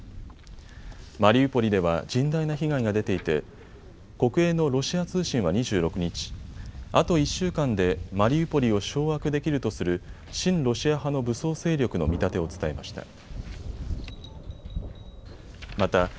マリウポリでは甚大な被害が出ていて国営のロシア通信は２６日、あと１週間でマリウポリを掌握できるとする親ロシア派の武装勢力の見立てを伝えました。